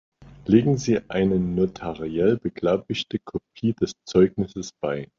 Legen Sie eine notariell beglaubigte Kopie des Zeugnisses bei.